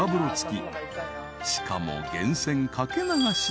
［しかも源泉掛け流し］